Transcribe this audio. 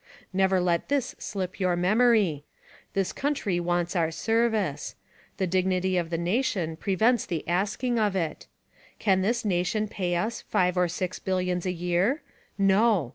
Never let this slip your memory: This country wants our service. The dignity of the nation prevents the asking of it. Can this nation pay us "five or &ix billions a year?" No!